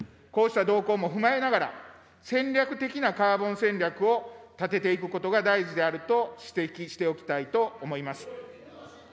こうした動向も踏まえながら、戦略的なカーボン戦略を立てていくことが大事であると指摘しておきたいと思います。